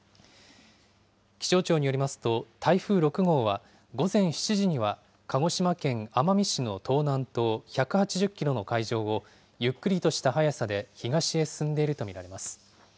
気象庁によりますと、台風６号は、午前７時には鹿児島県奄美市の東南東１８０キロの海上をゆっくりとした速さで東へ進んでいると見られます。